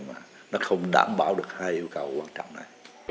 mà nó không đảm bảo được hai yêu cầu quan trọng này